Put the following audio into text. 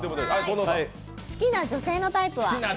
好きな女性のタイプは？